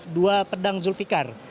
ini adalah pedang zulfikar